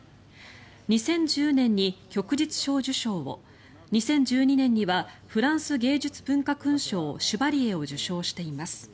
２０１０年に旭日小綬章を２０１２年にはフランス芸術文化勲章シュバリエを受章しています。